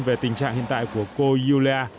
về tình trạng hiện tại của cô yulia